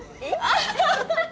ハハハハ。